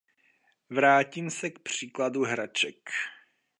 Vrátím se k příkladu hraček.